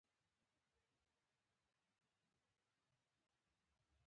مور يې د کلي شومړې غواړي لور يې په سپينه روپۍ خوله نه ورکوينه